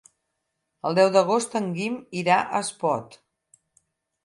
El deu d'agost en Guim irà a Espot.